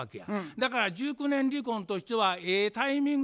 だから熟年離婚としてはええタイミング